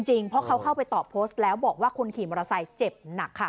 เพราะเขาเข้าไปตอบโพสต์แล้วบอกว่าคนขี่มอเตอร์ไซค์เจ็บหนักค่ะ